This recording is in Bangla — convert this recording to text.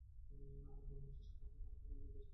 ঊনবিংশ শতাব্দীতে প্রথমবারের মতো বেশ প্রকাশিত হয়েছিল।